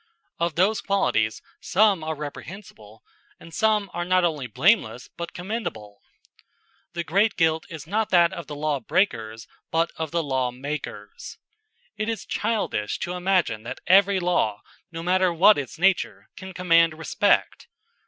Of those qualities some are reprehensible and some are not only blameless but commendable. The great guilt is not that of the law breakers but that of the lawmakers. It is childish to imagine that every law, no matter what its nature, can command respect.